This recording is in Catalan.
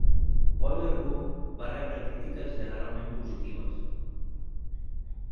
"Boiler Room" va rebre crítiques generalment positives.